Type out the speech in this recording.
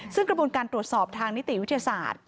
ซึ่งกระบวนการตรวจสอบทางนิติวิทยาศาสตร์